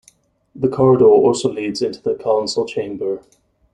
The corridor also leads into the Council Chamber.